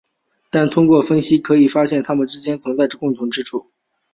但通过分析可发现它们之间存在着共同之处。